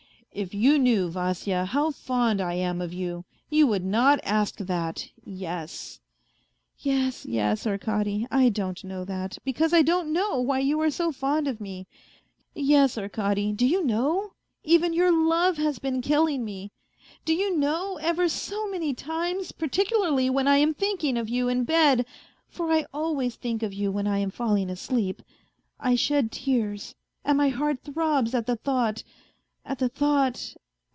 " If you knew, Vasya, how fond I am of you, you would not ask that yes !"" Yes, yes, Arkady, I don't know that, because I don't know why you are so fond of me. Yes, Arkady, do you know, even your love has been killing me ? Do you know, ever so many times, particularly when I am thinking of you in bed (for I always think of you when I am falling asleep), I shed tears, and my heart throbs at the thought ... at the thought.